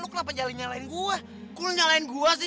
lo kenapa jadi nyalain gue